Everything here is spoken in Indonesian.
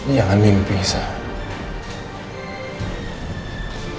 jangan mimpi sah